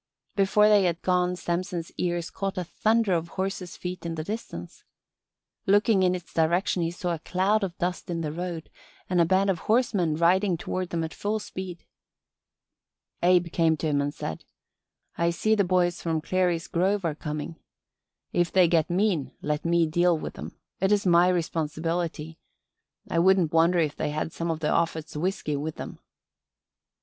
Before they had gone Samson's ears caught a thunder of horses' feet in the distance. Looking in its direction he saw a cloud of dust in the road and a band of horsemen riding toward them at full speed. Abe came to him and said: "I see the boys from Clary's Grove are coming. If they get mean let me deal with 'em. It's my responsibility. I wouldn't wonder if they had some of Offut's whisky with them."